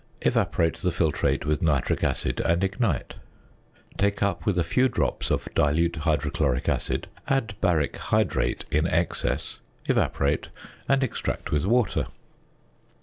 Evaporate the filtrate with nitric acid, and ignite. Take up with a few drops of dilute hydrochloric acid, add baric hydrate in excess, evaporate, and extract with water.